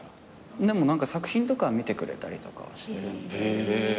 でも作品とかは見てくれたりとかはしてるんで。